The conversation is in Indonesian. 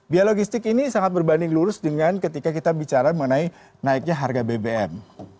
biaya logistik ini sangat berbanding lurus dengan ketika kita bicara mengenai naiknya harga bbm